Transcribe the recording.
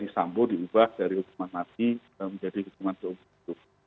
sambo diubah dari hukuman mati menjadi hukuman seumur hidup